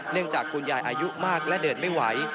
จากคุณยายอายุมากและเดินไม่ไหว